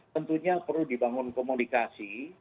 tentunya perlu dibangun komunikasi